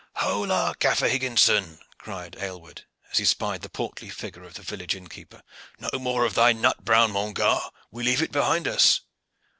"Hola, Gaffer Higginson!" cried Aylward, as he spied the portly figure of the village innkeeper. "No more of thy nut brown, mon gar. We leave it behind us."